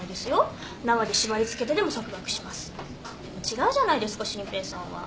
違うじゃないですか真平さんは。